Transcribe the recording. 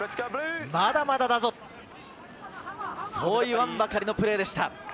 まだまだだぞ、そう言わんばかりのプレーでした。